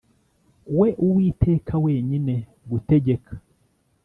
we Uwiteka wenyine Gutegeka